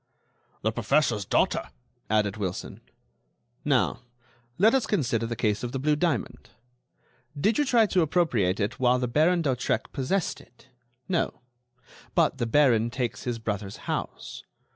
"The professor's daughter," added Wilson. "Now, let us consider the case of the blue diamond. Did you try to appropriate it while the Baron d'Hautrec possessed it? No. But the baron takes his brother's house.